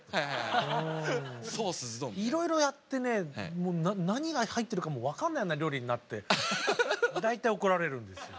いろいろやってね何が入ってるかもう分かんないような料理になって大体怒られるんですよ。